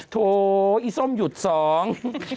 โถอีส้มหยุดสอง